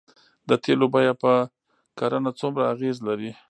د تیلو بیه په کرنه څومره اغیز لري؟